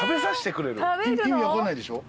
意味分かんないでしょ？